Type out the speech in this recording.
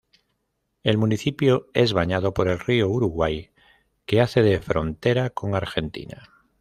El municipio es bañado por el río Uruguay, que hace de frontera con Argentina.